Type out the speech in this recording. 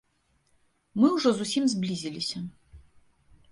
Мы ўжо зусім зблізіліся.